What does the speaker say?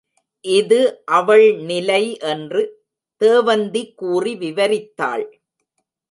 இது அவள் நிலை என்று தேவந்தி கூறி விவரித்தாள்.